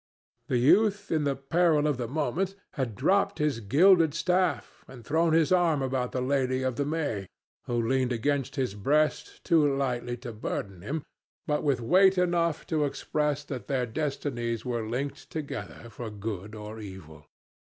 The youth in the peril of the moment, had dropped his gilded staff and thrown his arm about the Lady of the May, who leaned against his breast too lightly to burden him, but with weight enough to express that their destinies were linked together for good or evil.